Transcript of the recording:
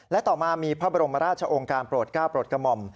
และต่อมามีพระบรมราชองค์การโปรดก้าวโปรดกระหม่อม